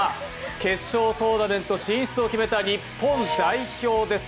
決勝トーナメント進出を決めた日本代表です。